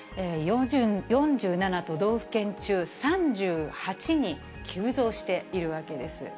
４７都道府県中３８に急増しているわけです。